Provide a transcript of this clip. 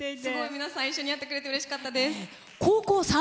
皆さん、一緒にやってくれてうれしかったです。